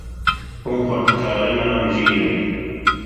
Hûn xwendekarine jîr in.